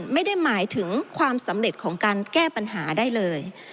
ไม่ได้หมายถึงความสำเร็จของการแก้ปัญหาได้เลย